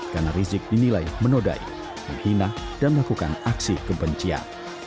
karena rizik dinilai menodai menghina dan melakukan aksi kebencian